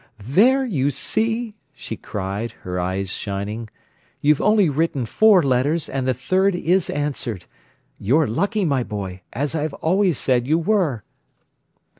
"There, you see!" she cried, her eyes shining. "You've only written four letters, and the third is answered. You're lucky, my boy, as I always said you were."